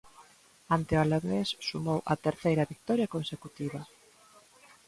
Ante o Alavés sumou a terceira vitoria consecutiva.